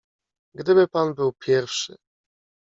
"Gdyby pan był pierwszy!"